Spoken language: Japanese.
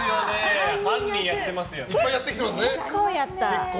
いっぱいやってますね。